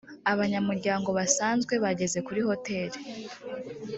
abanyamuryango basanzwe bageze kuri hoteri